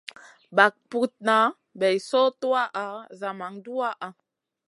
Bag putna bay soy tuwaʼa zaman duwaʼha.